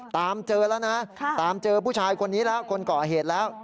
ตามเจอแล้วนะตามเจอผู้ชายคนนี้แล้วคนก่อเหตุแล้ว